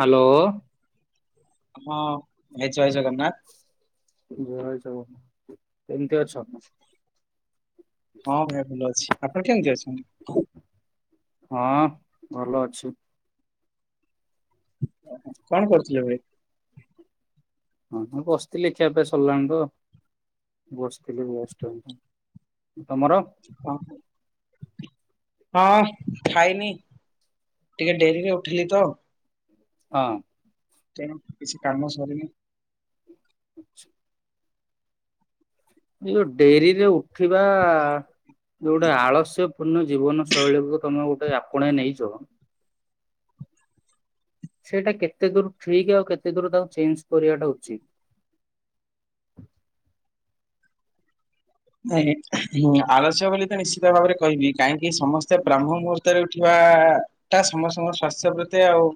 Hello. ହଁ ଭାଇ ଜୟ ଜଗନ୍ନାଥ। ଜୟ ଜଗନ୍ନାଥ କେମିତି ଅଛ? ହଁ ଭାଇ ଭଲ ଅଛି ଆପଣ କେମିତି ଅଛନ୍ତି? ହଁ ଭଲ ଅଛି। କଣ କରୁଥିଲେ ଭାଇ? ହଁ ମୁଁ ବସିଥିଲି ଖିଆପିଆ ସରିଲାଣି ତ ବସିଥିଲି ବସ ଷ୍ଟାଣ୍ଡ କଣ ହଁ ଖାଇନି ଟିକେ ଡେରିରେ ଉଠିଲି ତ ହଁ। ତେଣୁ କିଛି କାମ ସରିନି। ଆଛା। ଏ ଯୋଉ ଡେରିରେ ଉଠିବା ଯୋଉ ଗୋଟେ ଆଳସ୍ୟ ପୂର୍ଣ୍ଣ ଜୀବନ ଶୈଳୀକୁ ତମେ ଗୋଟେ ଆପଣେଇ ନେଇଛ। ସେଇଟା କେତେ ଦୂର ଠିକ୍ ଆଉ କେତେ ଦୂର ତାକୁ ଚେଞ୍ଜ୍ କରିବାଟା ଉଚିତ୍। ନଁ ଆଲସ୍ୟ ବୋଲି ତ ନିଶ୍ଚିତ ଭାବରେ କହିବି କାହିଁକି ସମସ୍ତେ ବ୍ରହ୍ମ ମୁହୂର୍ତ୍ତରେ ଉଠିବା ଟା ସମସ୍ତଙ୍କ ସ୍ଵାସ୍ଥ୍ୟ ପ୍ରତି ଆଉ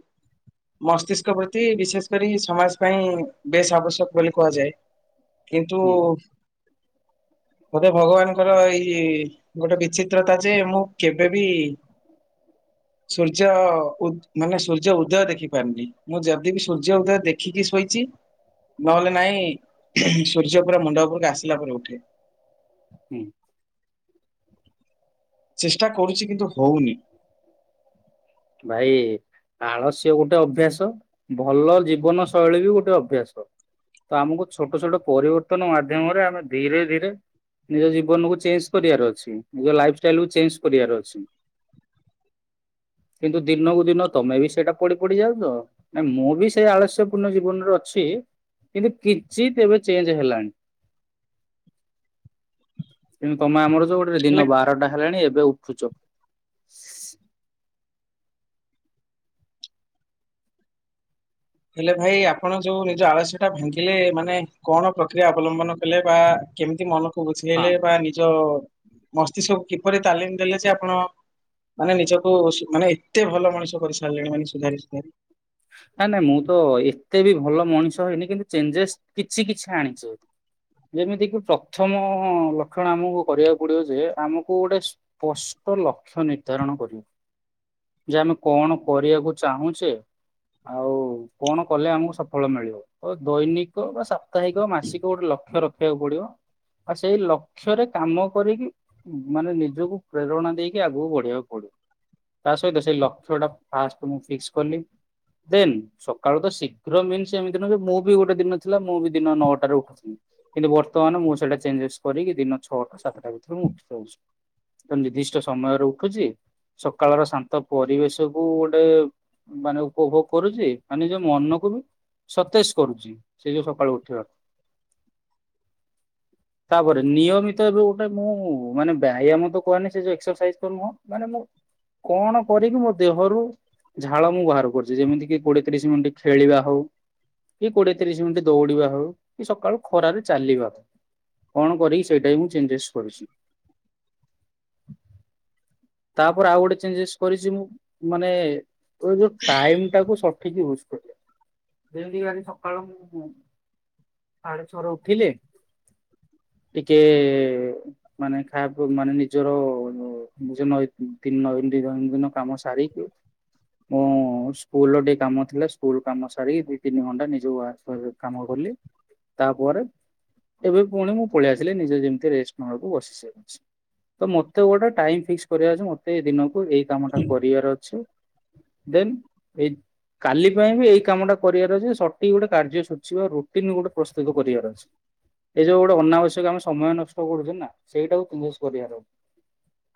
ମସ୍ତିଷ୍କ ପ୍ରତି ବିଶେଷ କରି ସମାଜ ପାଇଁ ବେଶ ଆବଶ୍ୟକ ବୋଲି କୁହାଯାଏ। କିନ୍ତୁ ହୁଁ ବୋଧେ ଭଗବାନଙ୍କର ଏଇ ଗୋଟେ ବିଚିତ୍ରତା ଯେ ମୁଁ କେବେବି ସୂର୍ଯ୍ୟ ଉ ମାନେ ସୂର୍ଯ୍ୟ ଉଦୟ ଦେଖି ପାରୁନି ମୁଁ ଯଦି ବିି ସୂର୍ଯ୍ୟ ଉଦୟ ଦେଖିକି ଶୋଇଛି। ନହେଲେ ନାଇଁ ସୂର୍ଯ୍ୟ ପୁରା ମୁଣ୍ଡ ଉପରକୁ ଆସିଲା ପରେ ଉଠେ। ହୁଁ। ଚେଷ୍ଟା କରୁଛି କିନ୍ତୁ ହଉନି ଭାଇ ଆଳସ୍ୟ ଗୋଟେ ଅଭ୍ୟାସ ଭଲ ଜୀବନ ଶୈଳୀ ବି ଗୋଟେ ଅଭ୍ୟାସ ତ ଆମକୁ ଛୋଟ ଛୋଟ ପରିବର୍ତ୍ତନ ମାଧ୍ୟମରେ ଆମେ ଧୀରେ ଧୀରେ ନିଜ ଜୀବନ କୁ ଚେଞ୍ଜ କରିବାର ଅଛି ନିଜ ଲାଇଫ ଷ୍ଟାଇଲ କୁ ଚେଞ୍ଜ କରିବାର ଅଛି। କିନ୍ତୁ ଦିନକୁ ଦିନ ତମେ ବି ସେଇଟା ପଡି ପଡିଯାଉ ତ ନା ମୁଁ ବି ସେଇ ଆଳସ୍ୟ ପୂର୍ଣ୍ଣ ଜୀବନରେ ଅଛି। କିନ୍ତୁ କିଛି ତେବେ ଚେଞ୍ଜ ହେଲାଣି କିନ୍ତୁ ତମେ ଆମର ଯୋଉ ଗୋଟେ ହେଲେ ଦିନ ବାରଟା ହେଲାଣି ଏବେ ଏବେ ଉଠୁଛ। ହେଲେ ଭାଇ ଆପଣ ଯୋଉ ନିଜ ଆଳସ୍ୟ ଟା ଭାଙ୍ଗିଲେ ମାନେ କଣ ପ୍ରକ୍ରିୟା ଅବଲମ୍ବନ କଲେ ବା କେମିତି ମନକୁ ହଁ ବୁଝେଇଲେ ବା ନିଜ ମସ୍ତିଷ୍କକୁ କିପରି ତାଲିମ ଦେଲେ ଯେ ଆପଣ ମାନେ ନିଜକୁ ମାନେ ଏତେ ଭଲ ମଣିଷ କରି ସାରିଲେଣି ମାନେ ସୁଧାରି ସୁଧାରି ନାଇଁ ନାଇଁ ମୁଁ ତ ଏତେ ବି ଭଲ ମଣିଷ ହେଇନି କିନ୍ତୁ ଚେଞ୍ଜେସ୍ କିଛି କିଛି ଆଣିଛି। ଯେମିତିକି ପ୍ରଥମ ଲକ୍ଷଣ ଆମକୁ କରିବାକୁ ପଡିବ ଯେ ଆମକୁ ଗୋଟେ ତ ଲକ୍ଷ୍ୟ ନିର୍ଦ୍ଧାରଣ କରିବ ଯେ ଆମେ କଣ କରିବାକୁ ଚାହୁଁଛେ। ଆଉ କଣ କଲେ ଆମକୁ ସଫଳ ମିଳିବ ତ ଦୈନିକ ବା ସାପ୍ତାହିକ ମାସିକ ଗୋଟେ ଲକ୍ଷ ଲକ୍ଷ୍ୟ ରଖିବାକୁ ପଡିବ। ଆଉ ସେଇ ଲକ୍ଷ୍ୟରେ କାମ କରିକି ମାନେ ନିଜକୁ ପ୍ରେରଣା ଦେଇକି ଆଗକୁ ବଢେଇବାକୁ ପଡିବ। ତା ସହିତ ସେଇ ଲକ୍ଷ୍ୟ ଟା ଫାଷ୍ଟ ମୁଁ ଫିକ୍ସ କଲି। ଦେନ୍ ସକାଳୁ ତ ଶୀଘ୍ର ମିନ୍ସ୍ ଏମିତି ନ ଯେ ମୁଁ ବି ଗୋଟେ ଦିନ ଥିଲା ମୁଁ ବି ଦିନ ନଅଟାରେ ଉଠୁଥିଲି। କିନ୍ତୁ ବର୍ତ୍ତମାନ ମୁଁ ସେଇଟା ଚେଞ୍ଜେସ୍ କରିକି ଦିନ ଛଅଟା ସାତଟା ଭିତରେ ମୁଁ ଉଠି ରହୁଛି। ତ ନିର୍ଦ୍ଦିଷ୍ଟ ସମୟରେ ଉଠୁଛି ସକାଳ ର ଶାନ୍ତ ପରିବେଶ କୁ ଗୋଟେ ମାନେ ଉପଭୋଗ କରୁଛି ଆ ନିଜ ମନକୁ ବି ସତେଜ କରୁଛି ସେଇ ଯୋଉ ସକାଳୁ ଉଠିବାକୁ ତାପରେ ନିୟମିତ ଏବେ ଗୋଟେ ମୁଁ ମାନେ ବ୍ୟାୟାମ୍ ତ କୁହନି ସେଉ ଏକ୍ସରସାଇଜ୍ ତ ନୁହଁ ମାନେ ମୁଁ କଣ କରିକି ମୋ ଦେହରୁ ଝାଳ ମୁଁ ବାହାର କରୁଛି। ଯେମିତି କି କୋଡିଏତିରିଶ ମିନିଟ୍ ଖେଳିବା ହଉ ଏ କୋଡିଏ ତିରିଶ ମିନିଟ୍ ଦୌଡିବା ହେଉ କି ସକାଳୁ ଖରାରେ ଚାଲିବା କଣ କରି ସେଇଟା ମୁଁ ଚେଞ୍ଜେସ୍ କରିଛି। ତାପରେ ଆଉ ଗୋଟେ ଚେଞ୍ଜେସ୍ କରିଛି ମୁଁ ମାନେ ଟାଇମ୍ ଟାକୁ ସଠିକ୍ ୟୁଜ୍ କରିବା ଯେମତି ଆଜି ସକାଳୁ ମୁଁ ସାଢେ ଛର ଉଠିଲେ ଟିକେ ମାନେ ମାନେ ନିଜର ମୁଁ ସେ ନ ତିନି ନ ଦୈନ ଦିନ କାମ ସାରିକି ମୁଁ ସ୍କୁଲ ର ଟିକେ କାମ ଥିଲା ସ୍କୁଲ କାମ ସାରିକି ଦି ତିନି ଘଣ୍ଟା ନିଜ ଶରୀର କାମ କଲି ତାପରେ ଏବେ ପୁଣି ମୁଁ, ପଳେଇ ଆସିଲି। ନିଜ ଯେମିତି ରେଷ୍ଟ ନବାକୁ ବସିିଛି। ତ ମତେ ଗୋଟେ ଟାଇମ ଫିକ୍ସ କରିବା ଅଛି। ମତେ ଦିନକୁ ଏଇ କାମ ଟା କରିଆର ଅଛି। ଦେନ୍ ଏଇ କାଲି ପାଇଁ ବି ଏଇ କାମଟା କରିଆର ଅଛି, ସଠିକ୍ ଗୋଟେ କାର୍ଯ୍ୟସୂଚୀ ବା ରୁଟିନ୍ ଗୋଟେ ପ୍ରସ୍ତୁତ କରିଆର ଅଛି। ଏ ଯୋଉ ଗୋଟେ ଅନାବଶ୍ୟକ ଆମେ ସମୟ ନଷ୍ଟ କରୁଛେ, ନା ସେଇଟାକୁ ଇନ୍ ଭେଷ କରିଆର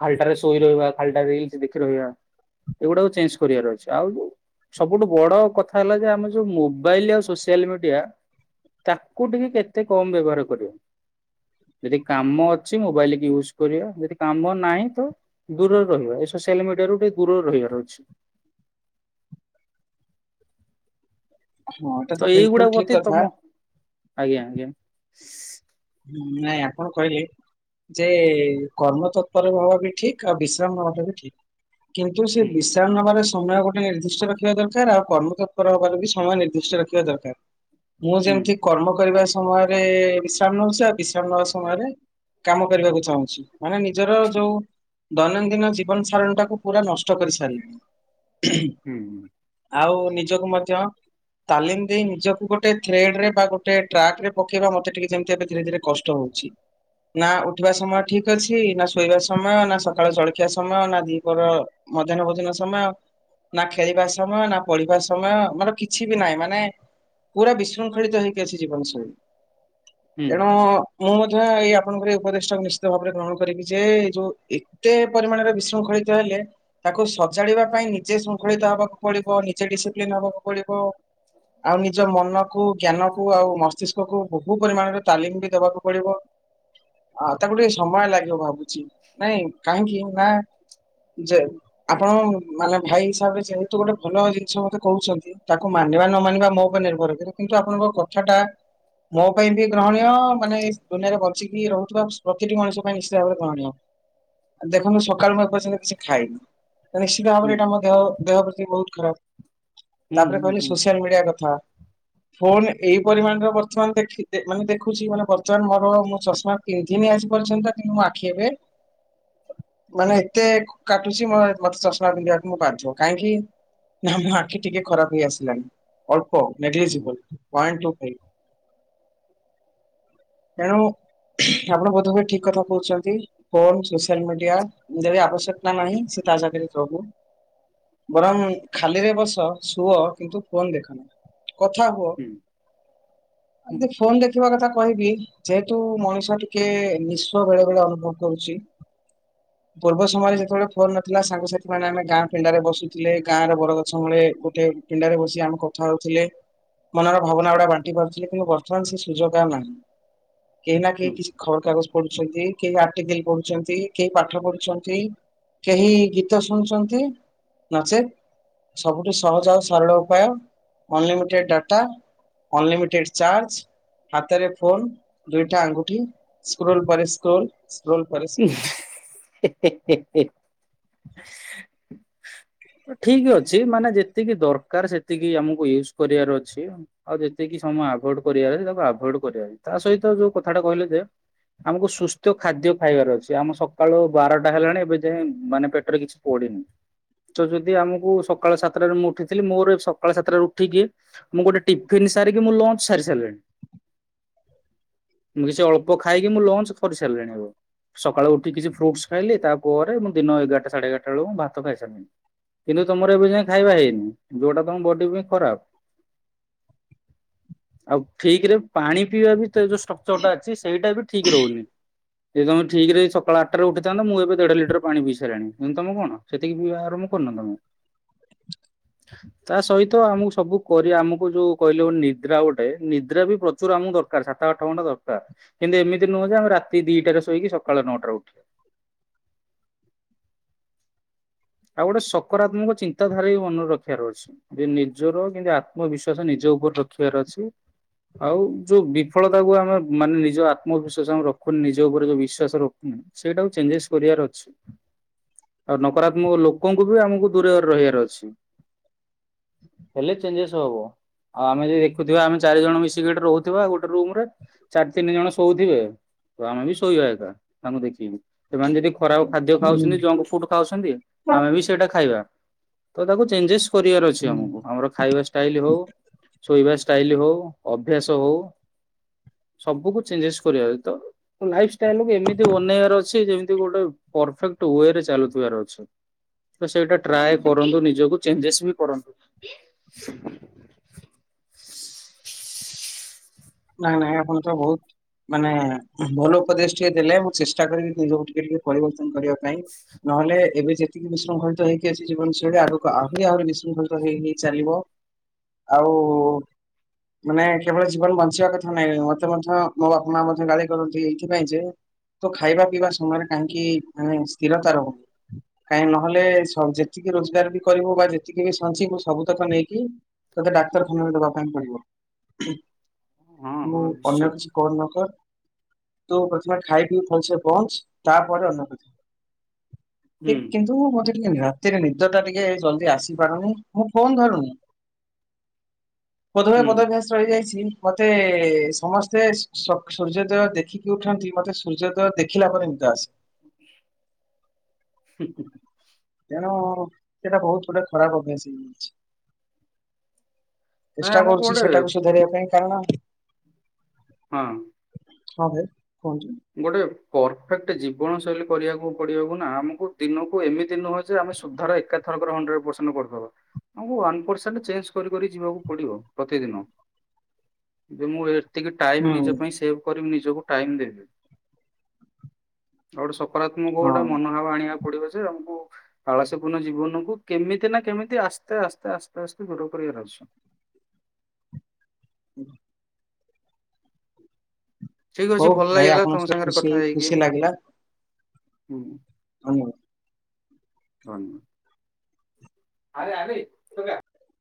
ଖାଲ୍ଟାରେ ଶୋଇ ରହିବା ଖାଲ୍ଟା ରିଲ୍ ସ ଦେଖି ରହିବା। ଏଗୁଡାକ ଚେଞ୍ଜ କରିବାର ଅଛି। ଆଉ ଯୋଉ ସବୁଠୁ ବଡ କଥା ହେଲା ଯେ, ଆମ ଯୋଉ ମୋବାଇଲ ଆଉ ସୋସିଆଲ ମିଡିଆ ତାକୁ ଟିକେ କେତେ କମ୍ ବ୍ୟବହାର କରିବ? ଯଦି କାମ ଅଛି, ମୋବାଇଲ କି ୟୁସ କରିବା, ଯଦି କାମ ନାହିଁ ତ ଦୂରରେ ରହିବା। ଏସବୁ ସୋଲ ମିଡିଆରୁ ଟିକେ ଦୂରରେ ରହିବାର ଅଛି। ହଁ ଏଟା ତ ବିଲକୁଲ ଏଇଗୁଡା ଠିକ ପ୍ରତି କଥା ତମ, ଆଜ୍ଞା ଜ୍ଞା। ନାଇଁ ଆପଣ କହିଲେ! ଯେ କର୍ମତତ୍ପର ହବା ବି ଠିକ୍। ଆଉ ବିଶ୍ରାମ ନବା ବି ଠିକ୍। କିନ୍ତୁ ସେ ହୁଁ ବିଶ୍ରାର ନବାରେ ସେ ସମୟ ଗୋଟେ ନିର୍ଦ୍ଦିଷ୍ଟ ରଖିବା ଦରକାର। ଆଉ କର୍ମତତ୍ପର ହବାରୁ ବି ସମୟ ନିର୍ଦ୍ଦିଷ୍ଟ ରଖିବା ଦରକାର। ମୁଁ ହୁଁ। ଯେମିତି କର୍ମ କରିବା ସମୟରେ-ରେ-ଏ ଛି, ବିଶ୍ରାମ ନଉଛି। ଆଉ ବିଶ୍ରାମ ନବା ସମୟରେ କାମ କରିବାକୁ ଚାହୁଁଛି। ମାନେ ନିଜର ଯୋଉ ଦୈନନ୍ଦିନ ଜୀବନସାରଣୀଟାକୁ ପୁରା ନଷ୍ଟ କରିସାରିଲେଣି। ଆଉ, ନିଜକୁ ମଧ୍ୟ ତାଲିମ ଦେଇ, ନିଜକୁ ଗୋଟେ ଥ୍ରେଡ ରେ ବା ଗୋଟେ ଟ୍ରାକ ରେ ପକେଇବା ମତେ ଟିକେ ଯେମିତି ଏବେ ଧୀରେ ଧୀରେ କଷ୍ଟ ହଉଛି । ନା ଉଠିବା ସମୟ ଠିକ୍ ଅଛି ନା, ଶୋଇବା ସମୟ ନା, ସକାଳୁ ଜଳଖିଆ ସମୟ ନା, ଦିପର ମଧ୍ୟାହ୍ନ ଭୋଜନ ସମୟ । ନା ଖେଳିବା ସମୟ ନା, ପଢିବା ସମୟ, ମାନେ କିଛି ବି ନାହିଁ ମାନେ ପୁରା ବିଶୃଙ୍ଖଳିତ ହେଇକି ଅଛି ଜୀବନ ଶୈଳୀ, ତେଣୁ ମୁଁ, ମଧ୍ୟ ଏଇ ଆପଣଙ୍କର ଏଇ ଉପଦେଷ୍ଟକୁ ନିଶ୍ଚିତ ଭାବରେ ଗ୍ରହଣ କରିବି ଯେ ଯୋଉ, ଏତେ ପରିମାଣରେ ବିଶୃଙ୍ଖଳି ଇତ ହେଲେ, ତାକୁ ସଜାଡିବା ପାଇଁ ନିଜେ ଶୃଙ୍ଖଳିତ ହବାକୁ ପଡିବ। ନିଜେ ଡିସିପ୍ଲିନ ହବାକୁ ପଡିବ । ଆଉ ନିଜ ମନକୁ, ଜ୍ଞାନକୁ, ଆଉ ମସ୍ତିଷ୍କକୁ କୁ ପରିମାଣର ତାଲିମ୍ ବି ଦବାକୁ ପଡିବ । ଆ ତାକୁ ଟିକେ ସମୟ ଲାଗିବ ଭାବୁଛି! ନାଇଁ କାହିଁକି ନା ଯେ ଆପଣ ମାନେ ଭାଇ ହିସାବରେ ଯେହେତୁ, ଗୋଟେ ଭଲ ଜିନିଷ ମତେ କହୁଛନ୍ତି। ତାକୁ ମା ଆନିବା ନ ମାନିବା ମୋ ଉପରେ ନିର୍ଭର! କିନ୍ତୁ ଆପଣଙ୍କ କଥାଟା ମୋ ପାଇଁ ବି ଗ୍ରହଣୀୟ। ମାନେ ଦୁନିଆରେ ବଞ୍ଚିକି ରହୁଥିବା ପ୍ରତିଟି ମଣିଷ ପାଇଁ ନିଶ୍ଚିତ ଭାବରେ ଗ୍ରହଣୀୟ । ଦେଖ ମୁଁ, ସକାଳୁ ମୁଁ ଏ ପର୍ଯ୍ୟନ୍ତ କିଛି ଖାଇନି? ତ ନିଶ୍ଚିତ ଭାବରେ ଏଇଟା ମ ଦେହ ଦେହ ପ୍ରତି ବହୁତ ଖରାପ! ତାପରେ କହିଲି ସୋସିଆଲ ମିଡିଆ କଥା । ଫୋନ୍ ଏଇ ପରିମାଣରେ ବର୍ ମାନ ଦେଖି ଦେ ମାନ୍ ଦେଖୁଛି, ମାନେ ବର୍ତ୍ତମାନ ମୋର ମୋ ଚଷମା ପିନ୍ଧିନି ଆଜି ପର୍ଯ୍ୟନ୍ତ! କିନ୍ତୁ ମୋ ଆଖି ଏବେ ମାନେ ଏତେ କାଟୁଛି। ମ ମତେ ଚଷମା ପିନ୍ଧିବାକୁ ମୁଁ ବାଧ୍ୟ। କାହିଁକି? ନା ମୋ ଆଖି ଟିକେ ଖରାପ ହେଇଆସିଲାଣି। ଅଳ୍ପ ନେଗ୍ଲିଯିବୁଲ ପଏଣ୍ଟ ଟୁ ଫାଇଫ୍। ଏଣୁ । ଆପଣ ବୋଧ ହୁଏ! ଠିକ୍ କଥା କହୁଛନ୍ତି। ଫୋନ୍ ସୋସିଆଲ ମିଡିଆ ଯେବେ ଆବଶ୍ୟକତା ନାହିଁ, ସେ ତା ସାଥିରେ ଚବୁ ବରଂ ଖାଲିରେ ବସ, ଶୁଅ, କିନ୍ତୁ ଫୋନ୍ ଦେଖ ନା । କଥା ହୁଅ, ଅଦି ଫୋନ୍ ଦେଖିବା କଥା କହିବି ଯେହେତୁ, ମଣିଷ ଟିକେ ନିଶ୍ୱ ବେଳେ ବେଳେ ଅନୁଭବ କରୁଛି ପୂର୍ବ ସମୟରେ ଯେତେବେଳେ ଫୋନ୍ ନଥିଲା ସାଙ୍ଗସାଥି ମାନେ ଆମେ ଗାଁ ଫିଣ୍ଡାରେ ବସୁଥିଲେ। ଗାଁରେ ବରଗଛ ମୁଳେ ଗୋଟେ ପିଣ୍ଡାରେ ବସି ଆମେ କଥା ହଉଥିଲେ। ମନର ଭାବନା ଗୁଡା ବାନ୍ [unintelligible] ବର୍ତ୍ତମାନ ସେ ସୁଯୋଗ ଆଉ ନାହିଁ । କେଇ ନା କେ କିଛି ଖର୍ କାଗଜ ପଢୁଛନ୍ତି କେହି ଆର୍ଟିକଲ ପଢୁଛନ୍ତି କେହି ପାଠ ପଢୁଛନ୍ତି । କେହି ଗୀତ ଶୁଣୁଛନ୍ତି ନାଚେ । ସବୁଠୁ ସହଜ ଆଉ ସରଳ ଉପାୟ ଅନଲିମିଟେଡ ଡାଟା । Unlimited charge. ହାତରେ ଫୋନ ଦୁଇଟା ଆଙ୍ଗୁଠି ସ୍କ୍ରୋଲ ପରେ ସ୍କ୍ରୋଲ । ସ୍କ୍ରୋଲ ପରେ ସ୍କ୍ରୋଲ । ଠିକ ଅଛି ମାନେ ଯେତିକି ଦରକାର ସେତିକି ଆମକୁ ୟୁଜ କରିବାର ଅଛି ଆଉ ଯେତିକି ସ ମୁଁ ଆଭଅଡ କରିଆରେ ଅଛି ତାକୁ ଆଭଅଡ କରିବା ଅଛି ତା ସହି ଯୋଉ କଥାଟା କହିଲ ଯେ ଆମକୁ ସୁସ୍ଥ ଖାଦ୍ୟ ଖାଇବାର ଅଛି ଆମ ସକାଳୁ ବାରଟା ହେଲାଣି ଏବେ ଯାଏଁ ମାନେ ପେଟରେ କିଛି ପଡିିନି। ତ ଯଦି ଆମକୁ ସକାଳ ସାତଟରେ ମୁଁ ଉଠିଥିଲି ମୋର ସକାଳ ସାତଟାରୁ ଉଠିକି ମୁଁ ଗୋଟେ ଟିଫିନ ସାରି ମୁଁ ଲଞ୍ଚ ସାରି ସାରିଲଣି । ମୁଁ କିଛି ଅଳ୍ପ ଖାଇକି ମୁଁ ଲଞ୍ଚ କରି ସାରିଲିଣି ଆଗ ସକାଳୁ ଉଠି କିଛି ଫ୍ରୁଟ୍ସ ଖାଇଲି ତା ପରେ ମୁଁ ଦିନ ଏଗାରଟା ସାଢେ ଏଗାରଟା ବେଳକୁ ମୁଁ ଭାତ ଖାଇସାରନି । କିନ୍ତୁ ତମର ଏବେ ଯାଇ ଖାଇବା ହେଇନି ଯୋଉଟା ତମ ବଡି ପାଇଁ ଖରାପ । ଆଉ ଠିକ ରେ ପାଣି ପିଇବା ଭିତରେ ଯୋଉ ଷ୍ଟ୍ରକ୍ଚର ଟା ଅଛି ସେଇଟା ବି ଠିକ୍ ରହୁନି । ଏ ତମେ ଠିକ ରେ ସକାଳ ଆଠଟାରେ ଉଠିଥାନ୍ତ ମୁଁ ଏବେ ଦେଢ଼ ଲି ଦି ଥର ପାଣି ପିଇ ସାରିଲାଣି କିନ୍ତୁ ତମେ କଣ ସେତିକି ପିଇବା ଆରମ୍ଭ କରିନ ତମେ। ତା ସହିତ ଆମକୁ ସବୁ କରିବା ଆମକୁ ଯୋଉ କହିଲେ ଗୋଟେ ନିଦ୍ରା ଗୋଟେ ନିଦ୍ରା ବି ପ୍ରଚୁର ଆମକୁ ଦ ଦରକାର ସାତ ଆଠ ଘଣ୍ଟା ଦରକାର କିନ୍ତୁ ଏମିତି ନୁହଁ ଯେ ଆମେ ରାତି ଦିଟାରେ ଶୋଇକି ସକାଳ ନଅଟାରେ ଉଠି [inaudible] ଆଉ ଗୋଟେ ସକାରାତ୍ମକ ଚିନ୍ତାଧାରା ବି ମନରେ ରଖିବାର ଅଛି ଯେ ନିଜର କେମତି ଆତ୍ମବିଶ୍ଵାସ ନିଜ ଯୌବନ ରଖିବାର ଅଛି। ଆଉ ଯୋଉ ବିଫଳତା କୁ ଆମେ ମାନେ ନିଜ ଆତ୍ମବିଶ୍ଵାସ ଆମେ ରଖୁନି ନିଜ ଉପରେ ଯୋଉ ବିଶ୍ଵାସ ରଖୁନ ସେଇଟାକୁ ଚେଞ୍ଜେସ୍ କରିବାର ଅଛି ଆଉ ନକରା ମ ଲୋକଙ୍କୁ ବି ଆମକୁ ଦୂରରେ ରହିବାର ଅଛି। ହେଲେ ଚେଞ୍ଜେସ ହବ। ଆଉ ଆମେ ଯଦି ଦେଖୁଥିବା ଆମେ ଚାରି ଜଣ ମିଶିକି ଏଠି ରହୁଥିବା ଗୋଟେ ରୁମ ରେ। ଚାରି ତିନି ଜଣ ଶୋଉଥିବେ ତ ଆମେ ବି ଶୋଇବା ଏକା ତାଙ୍କୁ ଦେଖିକି ସେମାନେ ଯଦି ଖରାପ ଖାଦ୍ୟ ହୁଁ ଖାଉଛନ୍ତି ଜଙ୍କ ଫୁଡ ଖାଉଛନ୍ତି ଆମେ ବି ସେଇଟା ଖାଇବା ତ ତାକୁ ଚେଞ୍ଜେସ୍ କରିବାର ଅଛି ହୁଁ। ଆମକୁ ଆମର ଖାଇବା ଷ୍ଟାଇଲ ହଉ ଶୋଇବା ଷ ଷ୍ଟାଇଲ ହଉ ଅଭ୍ୟାସ ହଉ ସବୁକୁ ଚେଞ୍ଜେସ କରିବାର ଅଛି ତ ଲାଇଫ ଷ ଷ୍ଟାଇଲକୁ ଏମିତି ବନେଇବାର ଅଛି ଯେମିତି ଗୋଟେ ପରଫେକ୍ଟ ୱେ ରେ ଚାଲୁଥିବାର ଅଛି। ତ ସେଇଟା ଟ୍ରାଏ କରନ୍ତୁ ନିଜକୁ ଚେଞ୍ଜେସ ବି କରନ୍ତୁ। [inaudible] ନାଇଁ ନାଇଁ ଆପଣ ତ ବହୁତ ମାନେ ଭଲ ଉପଦେଶ ଟିଏ ଦେଲେ ମୁ ଚେଷ୍ଟା କରିବି ନିଜକୁ ଟିକେ ଟିକେ ପରିବର୍ତ୍ତନ କରିବା ପାଇଁ ନ ହେଲେ ଏବେ ଯେତିକି ବିଶୃଙ୍ଖଳିତ ହେଇକି ଆସିଛି ଜୀବନଶୈଳୀ ଆଗକୁ ଆହୁରି ଆହୁରି ବିଶୃଙ୍ଖଳିତ ହେଇ ହେଇ ଚାଲିବ। ଆଉ ମାନେ କେବଳ ଜୀବନ ବଞ୍ଚି ଞ୍ଚୀବା କଥା ନାଇଁ ମତେ ମଧ୍ୟ ମୋ ବାପା ମଧ୍ୟ ଗାଳି କରନ୍ତି ଏଇଥିପାଇଁ ଯେ ତୋ ଖାଇବା ପିଇବା ସମୟରେ କାହିଁକି ଆଁ ସ୍ଥିରତା ରହୁନି କାହିଁ ନହେଲେ ସ ଯେତିକି ରୋଜଗାର ବି କରିବୁ ବା ଯେତିକି ବି ସଞ୍ଚିବୁ ସବୁତକ ନେଇକି ତତେ ଡାକ୍ତରଖାନାରେ ଦବା ପାଇଁ ପଡିବ। ହଁ ମୁଁ ହଁ ଅନ୍ୟ ନିଶ୍ଚୟ। କିଛି କର ନ କର ତୁ ପ୍ରଥମେ ଖାଇ ପିଇ ଭଲସେ ବଞ୍ଚ ତାପରେ ଅନ୍ୟ କଥା। ହୁଁ କିନ୍ କିନ୍ତୁ ମୁଁ ମଜାକ ରାତିରେ ନିଦ ଟା ଟିକେ ଜଲଦି ଆସି ପାରୁନି ମୁଁ ଫୋନ୍ ଧରୁନି। ବୋଧହୁଏ ହୁଁ ବଦଭ୍ୟାସ ରହି ଯାଇଛି ବୋଧେ ସମସ୍ତେ ସକ ସୂର୍ଯ୍ୟୋଦୟ ଦେଖିକି ଉଠନ୍ତି ମତେ ସୂର୍ଯ୍ୟୋଦୟ ଦେଖିଲା ପରେ ନିଦ ଆସେ। ହୁଁହୁଁ ହୁଁ। ତେଣୁ ସେଟା ବୋହୁତ ଗୋଟେ ଖରାପ ଅଭ୍ୟାସ ହେଇଯାଇଛି। ନାଇଁ ଚେଷ୍ଟା ଆମକୁ କରୁଚି ଗୋଟେ ସେଟାକୁ ସୁଧାରିବା ପାଇଁ କାରଣ ହଁ। ହଁ ଭାଇ କୁହନ୍ତୁ? ଗୋଟେ ପରଫେକ୍ଟ ଜୀବନ ଶୈଳୀ କରିବାକୁ ପଡିବାକୁ ନା ଆମକୁ ଦିନକୁ ଏମିତି ନୁହ ଯେ ଆ ମେ ସୁଧାର ଏକା ଥରକରେ ହଣ୍ଡରେଡ ପରସେଣ୍ଟ କରି ଆମକୁ ୱାନ୍ ପରସେଣ୍ଟ ଚେଞ୍ଜ କରି କରି ଯିବାକୁ ପଡିବ ପ୍ରତିଦିନ ଯେ ମୁଁ ଏ ଟିକେ ଟାଇମ ହୁଁ ନିଜ ପାଇଁ ସେଭ କରି ମୁଁ ନିଜକୁ ଟାଇମ ଦେବି ଆଉ ଗୋଟେ ସ ସକାରାତ୍ମକ ଗୋଟେ ହଁ। ମନୋଭାବ ଆଣିବାକୁ ପଡିବ ଯେ ଆମକୁ ଆଳସ୍ୟପୂର୍ଣ୍ଣ ଜୀବନକୁ କେମିତି ନା କେମିତି ଆସ୍ତେ ଆସ୍ତେ ଆସ୍ତେ ଆସ୍ତେ ଦୂର କରିବାର ଅଛି। [inaudible] [unintelligible] ଠିକ ଅଛି ହଉ ଭଲ ଭାଇ ଲାଗିଲା ଆପଣଙ୍କ ତମ ସହିତ ସାଙ୍ଗରେ ଖୁସି କଥା ହେଇକି, ଖୁସି ଲାଗିଲା ହୁଁ। [unintelligible] ହଁ ଆରେ ଆରେ ଏ ଟୋକା।